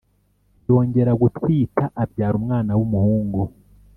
yongera gutwita abyara umwana w’umuhungu